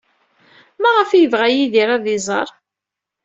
Maɣef ay yebɣa Yidir ad iẓer?